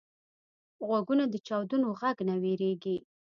غوږونه د چاودنو غږ نه وېریږي